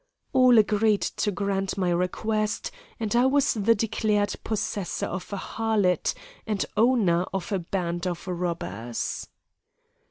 All agreed to grant my request, and I was the declared possessor of a harlot, and owner of a band of robbers."